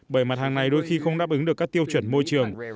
bởi mặt hàng này đôi khi không đáp ứng được các tiêu chuẩn môi trường